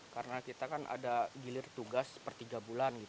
karena kita kan ada gilir tugas per tiga bulan